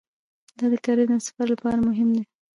دا د کرنې او سفر لپاره مهم دی.